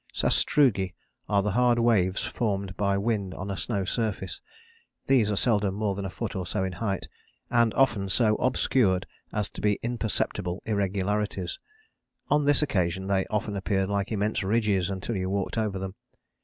Sastrugi are the hard waves formed by wind on a snow surface; these are seldom more than a foot or so in height, and often so obscured as to be imperceptible irregularities. On this occasion they often appeared like immense ridges until you walked over them.